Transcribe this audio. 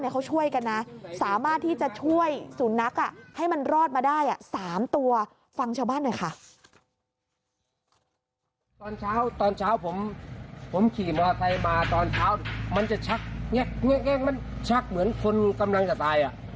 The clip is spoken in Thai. ผมขี่มอเตยมาตอนเช้ามันจะชักเนี่ยมันชักเหมือนคนกำลังจะตาย